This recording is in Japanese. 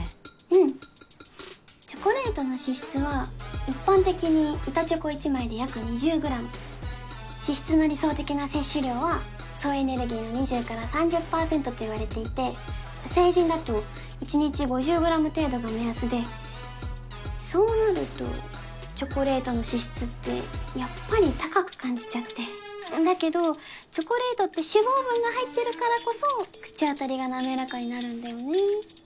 うんチョコレートの脂質は一般的に板チョコ１枚で約２０グラム脂質の理想的な摂取量は総エネルギーの２０から３０％といわれていて成人だと１日５０グラム程度が目安でそうなるとチョコレートの脂質ってやっぱり高く感じちゃってだけどチョコレートって脂肪分が入ってるからこそ口当たりが滑らかになるんだよね